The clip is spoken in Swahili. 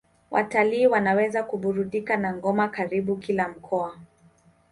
Watalii wanaweza kuburudika na ngoma karibu kila mkoa